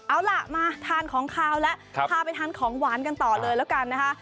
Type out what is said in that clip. เอาล่ะมาทานของขาวแล้วพาไปทานของหวานกันต่อเลยแล้วกันนะคะ